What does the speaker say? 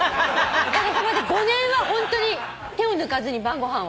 おかげさまで５年はホントに手を抜かずに晩ご飯を。